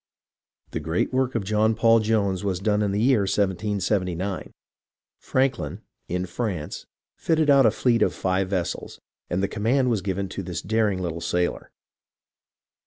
The great work of John Paul Jones was done in the year 1779. Franklin, in France, fitted out a fleet of five vessels, and the command was given to this daring little sailor.